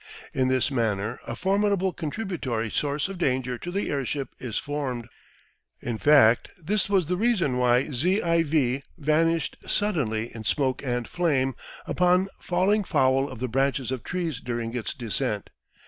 In this manner a formidable contributory source of danger to the airship is formed. In fact, this was the reason why "Z IV" vanished suddenly in smoke and flame upon falling foul of the branches of trees during its descent.